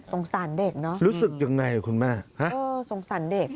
สงสารเด็กเนอะอืมสงสารเด็ก